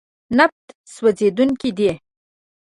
نفت سوځېدونکی دی.